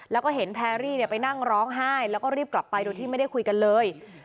แล้วก็เห็นแพรรี่ไปนั่งร้องไห้แล้วก็รีบกลับไปโดยที่ไม่ได้คุยกันเลย